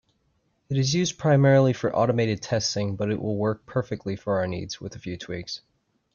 It is used primarily for automated testing, but it will work perfectly for our needs, with a few tweaks.